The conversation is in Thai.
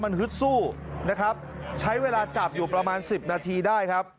มันฮึดสู้นะครับใช้เวลาจับอยู่ประมาณสิบนาทีได้ครับ